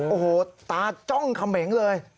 โอ้โหตาจ้องเขมงเลย